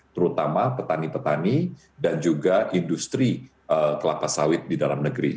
terutama petani petani dan juga industri kelapa sawit di dalam negeri